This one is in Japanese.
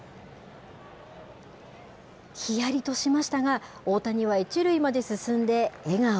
ひやりとしましたが、大谷は１塁まで進んで笑顔。